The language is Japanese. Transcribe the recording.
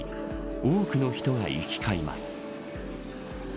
多くの人が行き交います。